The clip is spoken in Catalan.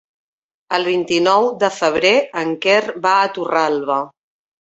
El vint-i-nou de febrer en Quer va a Torralba.